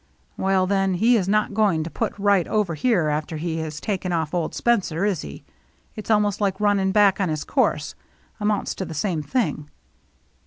" Well, then, he is not going to put right over here after he has taken off old Spencer, is he? It's almost like running back on his course — amounts to the same thing."